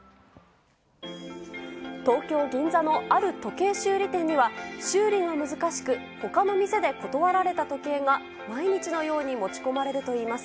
東京・銀座のある時計修理店には、修理が難しく、ほかの店で断られた時計が、毎日のように持ち込まれるといいます。